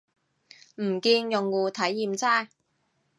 唔見用戶體驗差